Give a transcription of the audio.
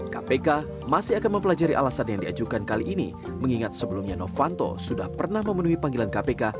kpk masih akan mempelajari alasan yang diajukan kali ini mengingat sebelumnya novanto sudah pernah memenuhi panggilan kpk